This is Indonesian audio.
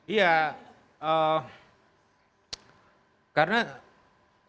iya karena sistem kita